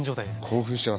興奮してます